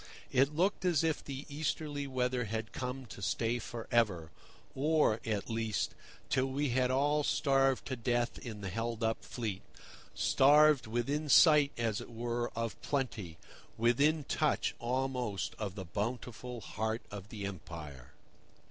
It looked as if the easterly weather had come to stay for ever, or, at least, till we had all starved to death in the held up fleet—starved within sight, as it were, of plenty, within touch, almost, of the bountiful heart of the Empire.